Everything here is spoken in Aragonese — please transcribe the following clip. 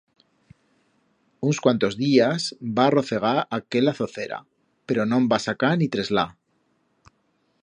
Uns cuantos diyas va arrocegar aquela zocera, pero no en va sacar ni treslat.